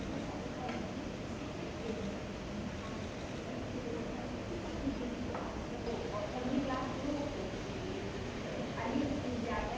สวัสดีครับสวัสดีครับ